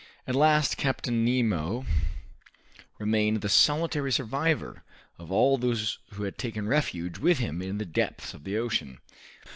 At last Captain Nemo remained the solitary survivor of all those who had taken refuge with him in the depths of the ocean.